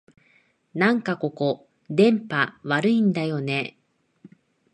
なんかここ、電波悪いんだよねえ